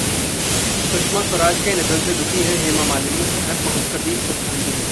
सुषमा स्वराज के निधन से दुखी हैं हेमा मालिनी, घर पहुंचकर दी श्रद्धांजलि